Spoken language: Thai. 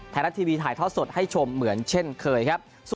ไทยรัฐทีวีถ่ายทอดสดให้ชมเหมือนเช่นเคยครับ